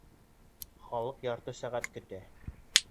Халыҡ ярты сәғәт көтә!